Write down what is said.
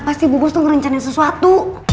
pasti bu bus tuh ngerencana sesuatu